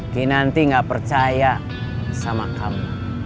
kenanti nggak percaya sama kamu